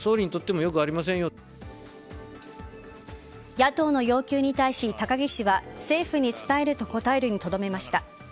野党の要求に対し高木氏は政府に伝えると答えるにとどめました。